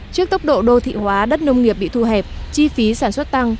trước tốc độ đô thị hóa đất nông nghiệp bị thu hẹp chi phí sản xuất tăng